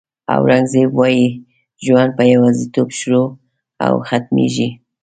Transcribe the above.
اورنګزېب وایي ژوند په یوازېتوب شروع او ختمېږي.